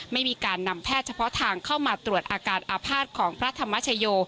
ไม่มีการนำแพทย์เฉพาะทางเข้ามาตรวจอาการอาภาษณ์ของพระธรรมชโย